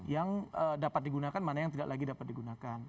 yang dapat digunakan mana yang tidak lagi dapat digunakan